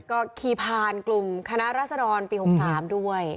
ก็ขี่ผ่านกลุ่มคณะรัศดรปี๖๓ด้วย